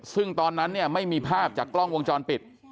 ซึ่งตอนนั้นเนี่ยไม่มีภาพจากกล้องวงจรปิด